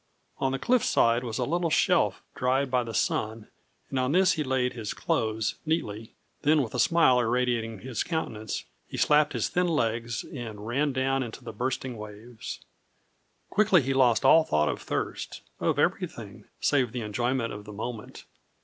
On the cliff side was a little shelf dried by the sun, and on this he laid his clothes neatly; then with a smile irradiating his countenance, he slapped his thin legs and ran down into the bursting waves. Quickly he lost all thought of thirst of everything, save the enjoyment of the moment.